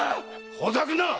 ほざくなっ！